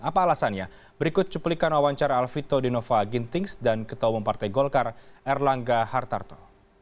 apa alasannya berikut cuplikan wawancara alfito dinova gintings dan ketua umum partai golkar erlangga hartarto